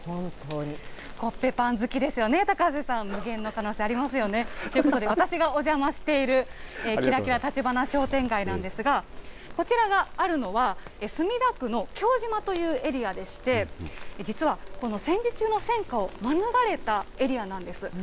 コッペパン好きですよね、高瀬さん、無限の可能性、ありますよね。ということで、私がおじゃましているキラキラ橘商店街なんですが、こちらがあるのは、墨田区の京島というエリアでして、実はこの戦時中の戦火を免れたエリアなんです。